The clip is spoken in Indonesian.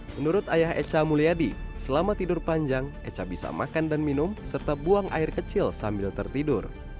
menurut ayah echa mulyadi selama tidur panjang echa bisa makan dan minum serta buang air kecil sambil tertidur